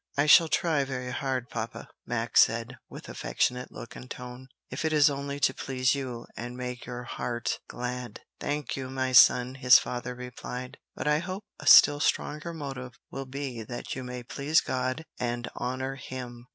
"I shall try very hard, papa," Max said, with affectionate look and tone, "if it is only to please you and make your heart glad." "Thank you, my son," his father replied, "but I hope a still stronger motive will be that you may please God and honor Him.